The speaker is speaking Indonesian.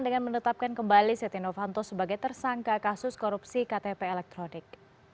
dengan menetapkan kembali setia novanto sebagai tersangka kasus korupsi ktp elektronik